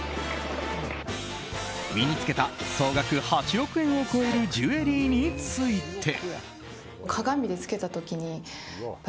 身に着けた総額８億円を超えるジュエリーについて。